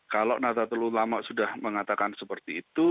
kalau nada telulama sudah mengatakan seperti itu